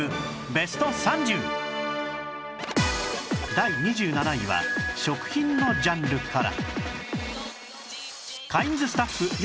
第２７位は食品のジャンルから